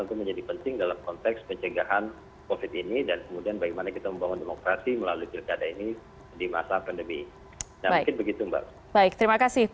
oleh karenanya tadi saya sampaikan